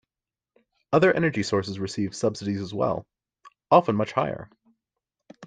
Other energy sources receive subsidies as well, often much higher.